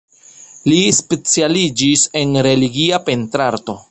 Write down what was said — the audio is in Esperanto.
Li specialiĝis en religia pentrarto.